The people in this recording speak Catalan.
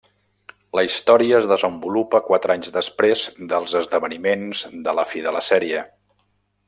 La història es desenvolupa quatre anys després dels esdeveniments de la fi de la sèrie.